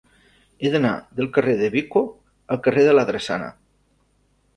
He d'anar del carrer de Vico al carrer de la Drassana.